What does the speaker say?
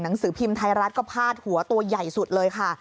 หนังสือพิมพ์ไทยรัฐก็พาดหัวตัวใหญ่สุดเลยค่ะ